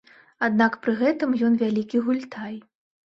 Аднак пры гэтым ён вялікі гультай.